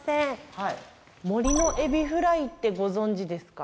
はい森のエビフライってご存じですか？